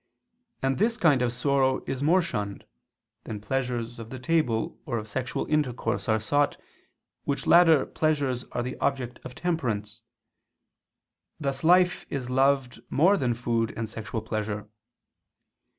And this kind of sorrow is more shunned, than pleasures of the table or of sexual intercourse are sought, which latter pleasures are the object of temperance: thus life is loved more than food and sexual pleasure.